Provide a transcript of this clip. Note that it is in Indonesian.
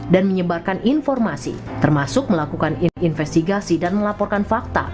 menyebarkan informasi termasuk melakukan investigasi dan melaporkan fakta